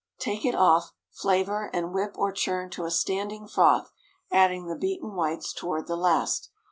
Take it off, flavor, and whip or churn to a standing froth, adding the beaten whites toward the last.